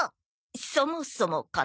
「そもそも」かな？